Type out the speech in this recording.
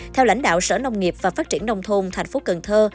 theo lãnh đạo sở nông nghiệp và phát triển nông thôn thành phố cần thơ